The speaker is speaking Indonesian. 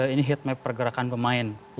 ini hitmap pergerakan pemain